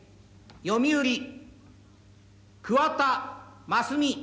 読売桑田真澄